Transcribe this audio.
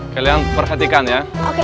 kalian perhatikan ya